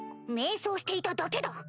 瞑想していただけだ。